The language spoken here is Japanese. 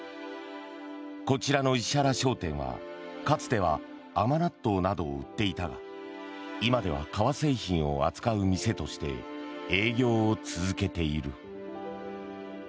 こちらの石原商店は、かつては甘納豆などを売っていたが今では革製品を扱う店として営業を続けている。